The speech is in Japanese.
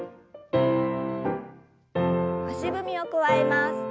足踏みを加えます。